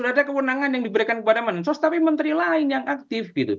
ada kewenangan yang diberikan kepada mensos tapi menteri lain yang aktif gitu